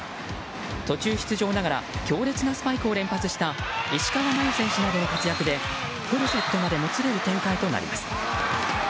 途中出場ながら強烈なスパイクを連発した石川真佑選手などの活躍でフルセットまでもつれる展開となります。